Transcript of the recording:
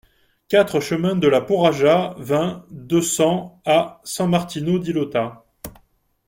quatre chemin de la Porraja, vingt, deux cents à San-Martino-di-Lota